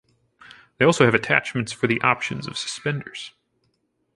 They also have attachments for the options of suspenders.